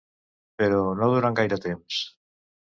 Però no durant gaire temps.